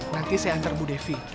nanti saya antar bu devi